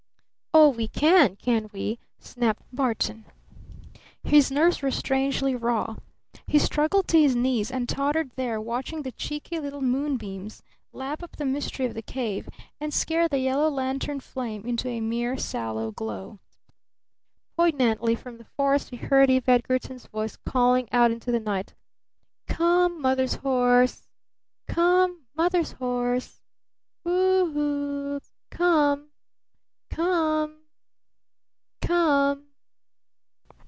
"Oh, we can, can we?" snapped Barton. His nerves were strangely raw. He struggled to his knees, and tottered there watching the cheeky little moonbeams lap up the mystery of the cave, and scare the yellow lantern flame into a mere sallow glow. Poignantly from the forest he heard Eve Edgarton's voice calling out into the night. "Come Mother's horse! Come Mother's horse H o o, hoo! Come come come!"